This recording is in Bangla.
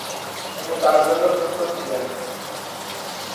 তিনি তার জন্য প্রস্তুত ছিলেন।